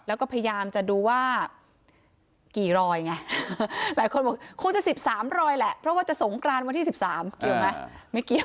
แล้วก็พยายามจะดูว่ากี่รอยไงหลายคนบอกคงจะ๑๓รอยแหละเพราะว่าจะสงกรานวันที่๑๓เกี่ยวไหมไม่เกี่ยว